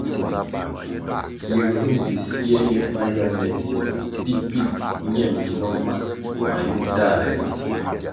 Yiguer mbpi siè ye bá ywande di pil ñe mbinoh ma mayu tahre ri.